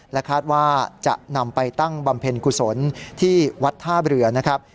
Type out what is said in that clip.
คาดว่าจะนำไปตั้งบำเพ็ญกุศลที่วัดท่าเรือนะครับ